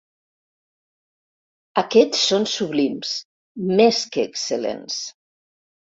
Aquests són sublims, més que excel·lents.